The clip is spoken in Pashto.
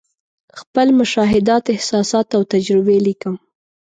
خپل مشاهدات، احساسات او تجربې لیکم.